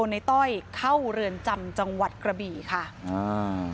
ในต้อยเข้าเรือนจำจังหวัดกระบี่ค่ะอ่า